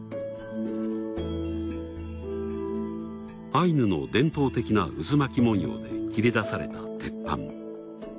アイヌの伝統的な渦巻き文様で切り出された鉄板。